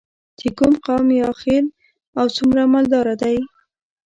چې کوم قوم یا خیل او څومره مالداره دی.